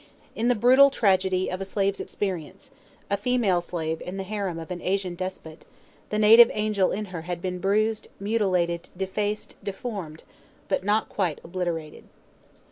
In the brutal tragedy of a slave's experience, a female slave in the harem of an Asian despot, the native angel in her had been bruised, mutilated, defaced, deformed, but not quite obliterated.